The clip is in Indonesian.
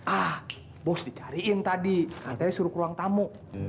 ah bos dicariin tadi katanya suruh ke ruang tamu